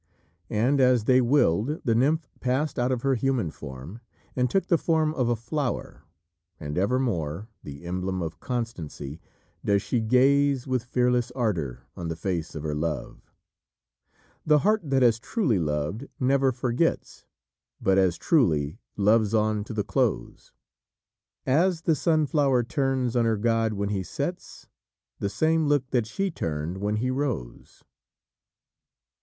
And, as they willed, the nymph passed out of her human form, and took the form of a flower, and evermore the emblem of constancy does she gaze with fearless ardour on the face of her love. "The heart that has truly loved never forgets, But as truly loves on to the close; As the sunflower turns on her god when he sets The same look that she turned when he rose."